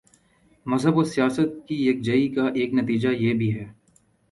مذہب اور سیاست کی یک جائی کا ایک نتیجہ یہ بھی ہے۔